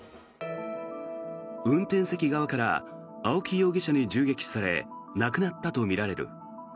運転席側から青木容疑者に銃撃され亡くなったとみられる。